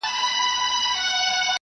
سهار د لمر راختل یو په زړه پورې منظر دی.